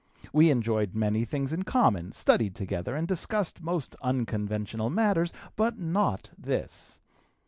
We enjoyed many things in common, studied together and discussed most unconventional matters, but not this.